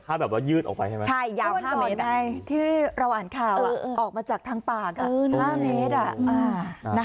ถ้าแบบว่ายืดออกไปใช่ไหมใช่ยาว๕เมตรที่เราอ่านข่าวออกมาจากทางปาก๕เมตร